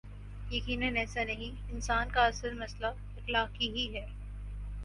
یقینا ایسا نہیں انسان کا اصل مسئلہ اخلاقی ہی ہے۔